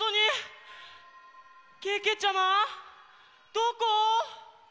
どこ？